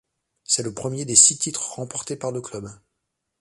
C'est le premier des six titres remportés par le club.